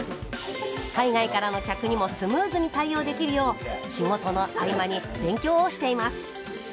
海外からの客にもスムーズに対応できるよう仕事の合間に勉強をしています